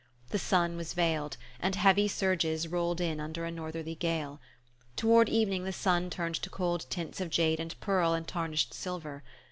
The sun was veiled, and heavy surges rolled in under a northerly gale. Toward evening the sea turned to cold tints of jade and pearl and tarnished silver.